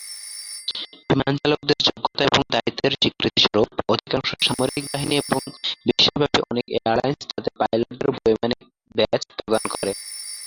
বিমান চালকদের যোগ্যতা এবং দায়িত্বের স্বীকৃতি স্বরূপ, অধিকাংশ সামরিক বাহিনী এবং বিশ্বব্যাপী অনেক এয়ারলাইন্স তাদের পাইলটদের বৈমানিক ব্যাজ প্রদান করে।